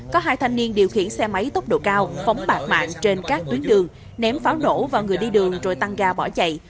có hai thanh niên điều khiển xe máy tốc độ cao phóng bạc mạng trên các tuyến đường ném pháo nổ vào người đi đường rồi tăng ga bỏ chạy